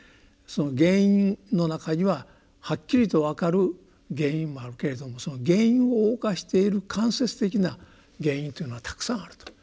原因の中にははっきりと分かる原因もあるけれども原因を動かしている間接的な原因というのはたくさんあると。